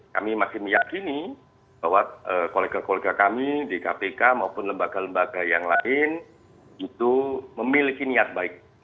kami masih meyakini bahwa kolega kolega kami di kpk maupun lembaga lembaga yang lain itu memiliki niat baik